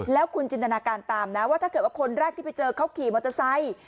แล้วคุณจินตนาการตามนะว่าถ้าเกิดว่าคนแรกที่ไปเจอเขาขี่มอเตอร์ไซค์